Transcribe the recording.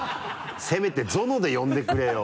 せめてゾノで呼んでくれよ。